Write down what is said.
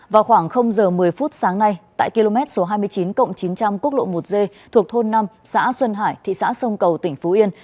vào khoảng giờ một mươi phút sáng nay tại km số hai mươi chín chín trăm linh quốc lộ một d thuộc thôn năm xã xuân hải thị xã sông cầu tỉnh phú yên